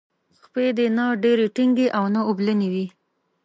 خپې دې نه ډیرې ټینګې او نه اوبلنې وي.